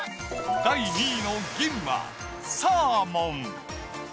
第２位の銀はサーモン。